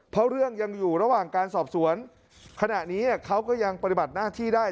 เพราะเรื่องยังอยู่ระหว่างการสอบสวนขณะนี้เขาก็ยังปฏิบัติหน้าที่ได้